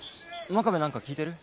真壁何か聞いてる？